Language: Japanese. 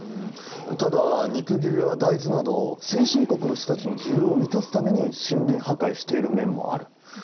ただ肉牛や大豆など先進国の人たちの需要を満たすために森林破壊している面もある。